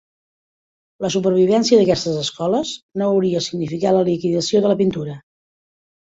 La supervivència d'aquestes escoles no hauria significat la liquidació de la pintura?